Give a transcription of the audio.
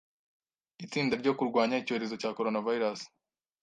Itsinda ryo kurwanya icyorezo cya coronavirus